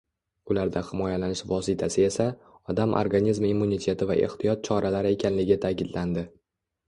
Ulardan himoyalanish vositasi esa — odam organizmi immuniteti va ehtiyot choralari ekanligi ta’kidlandi.